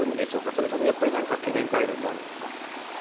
それとも懸念材料はあるんですか？